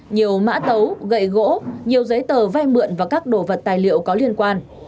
nhiều mã tấu gậy gỗ nhiều giấy tờ vay mượn và các đồ vật tài liệu có liên quan